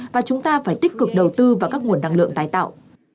và chúng ta phải tích cực đầu tư vào các nguồn năng lượng tái tạo